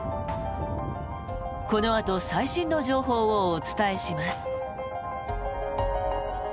このあと最新の情報をお伝えします。